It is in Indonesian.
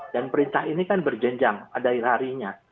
dan perintah ini kan berjenjang pada hirahinya